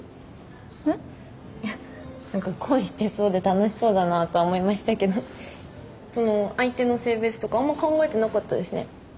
いや何か恋してそうで楽しそうだなとは思いましたけどその相手の性別とかあんま考えてなかったですね。